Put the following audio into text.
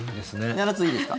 ７つ、いいですか。